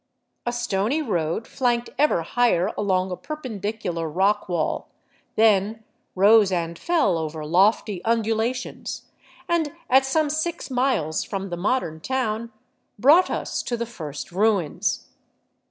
A stony road flanked ever higher along a perpendicular rock wall, then rose and fell over lofty undula tions, and at some six miles from the modern town brought us to the first ruins.